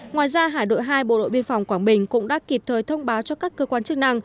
ngoài ra hải đội hai bộ đội biên phòng quảng bình cũng đã kịp thời thông báo cho các cơ quan chức năng